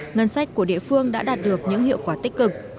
ngân sách của địa phương đã đạt được những hiệu quả tích cực